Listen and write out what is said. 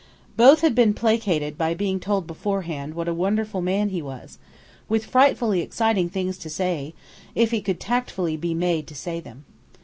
Both had been placated by being told beforehand what a wonderful man he was, with frightfully exciting things to say, if he could tactfully be made to say them.